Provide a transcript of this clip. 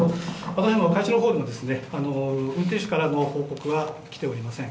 私ども会社のほうにも、運転手からの報告は来ておりません。